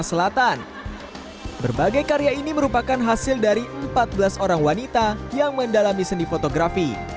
selatan berbagai karya ini merupakan hasil dari empat belas orang wanita yang mendalami seni fotografi